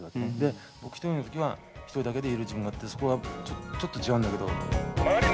僕１人の時は１人だけでいる自分があってそこはちょっと違うんだけど。